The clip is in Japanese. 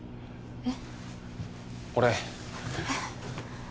えっ？